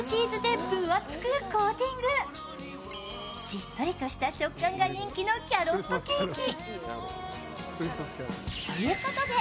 しっとりとした食感が人気のキャロットケーキ。